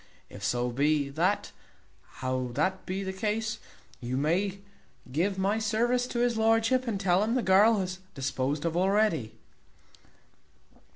If so be that how that be the case you may give my service to his lordship, and tell un the girl is disposed of already."